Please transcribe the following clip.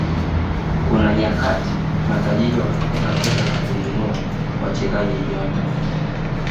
kuna nyakati matajiri wanakosa pesa za kununua wachezaji nyota